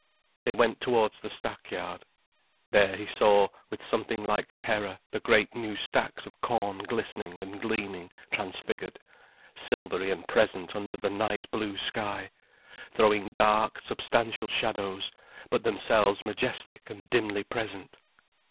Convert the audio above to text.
They went towards the stackyard. There he saw, with something like terror, the great new stacks of corn glistening and gleaming transfigured, silvery and present under the night blue sky, throwing dark, substantial shadows, but themselves majestic and dimly present.